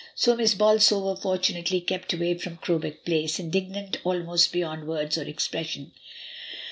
So Miss Bolsover fortunately kept away from Crowbeck Place, indignant almost beyond words or expression.